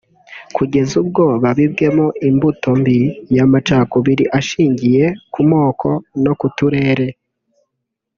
kugeza ubwo baabibwemo imbuto mbi y’amacakubiri ashingiye ku moko no ku turere